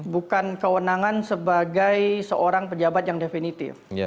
bukan kewenangan sebagai seorang pejabat yang definitif